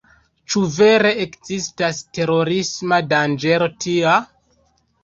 Ĉu vere ekzistas terorisma danĝero tia?